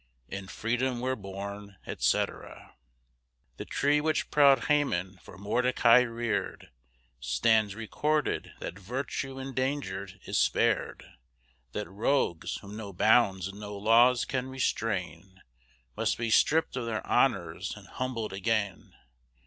In Freedom we're born, etc. The tree which proud Haman for Mordecai rear'd Stands recorded, that virtue endanger'd is spared; That rogues, whom no bounds and no laws can restrain, Must be stripp'd of their honors and humbled again.